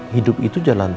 hidup itu jalan terus